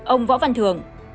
ông võ văn thường